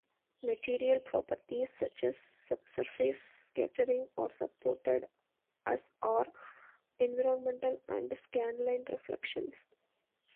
Material properties such as subsurface scattering are supported as are environmental and scan-line reflections.